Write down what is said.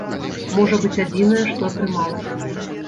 Можа быць, адзінае, што атрымалася.